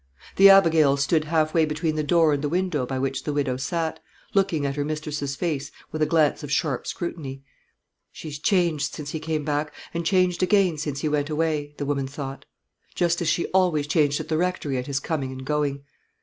The Abigail stood halfway between the door and the window by which the widow sat, looking at her mistress's face with a glance of sharp scrutiny. "She's changed since he came back, and changed again since he went away," the woman thought; "just as she always changed at the Rectory at his coming and going.